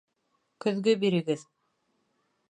Көҙгө бирегеҙ!